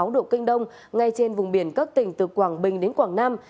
một trăm linh chín sáu độ kinh đông ngay trên vùng biển các tỉnh từ quảng bình đến quảng nam